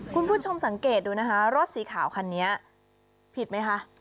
คุณผู้ชมสังเกตดูนะคะรถสีขาวคันนี้ผิดไหมคะ